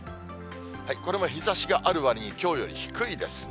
これも日ざしがあるわりに、きょうより低いですね。